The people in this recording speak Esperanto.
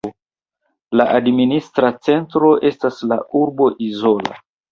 La administra centro estas la urbo Izola.